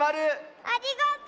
ありがとう！